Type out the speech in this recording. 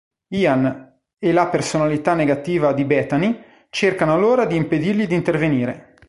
Ian e la personalità negativa di Bethany cercano allora di impedirgli di intervenire.